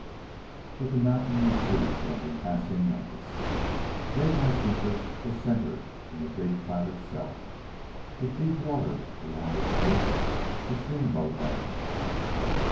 But the mountain received only passing notice. Daylight's interest was centered in the big flat itself, with deep water all along its edge for steamboat landings.